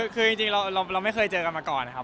คือจริงเราไม่เคยเจอกันมาก่อนนะครับ